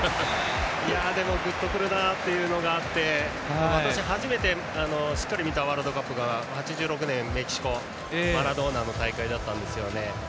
でも、ぐっとくるなというのがあって私、初めてしっかり見たワールドカップが８６年のメキシコマラドーナの大会だったんですね。